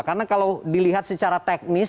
karena kalau dilihat secara teknis